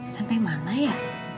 sampai mana ya